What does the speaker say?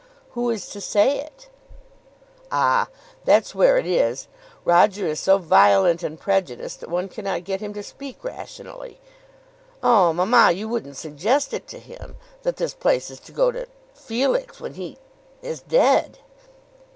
"Who is to say it?" "Ah; that's where it is. Roger is so violent and prejudiced that one cannot get him to speak rationally." "Oh, mamma; you wouldn't suggest it to him; that this place is to go to Felix, when he is dead!"